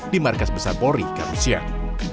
di markas besar pori kamisian